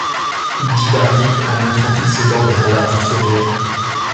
dit Bardik en montrant toutes ses dents dans un large sourire.